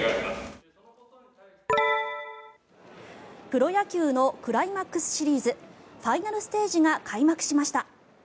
プロ野球のクライマックスシリーズファイナルステージが開幕しました。